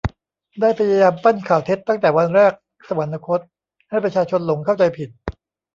ได้พยายามปั้นข่าวเท็จตั้งแต่วันแรกสวรรคต ให้ประชาชนหลงเข้าใจผิด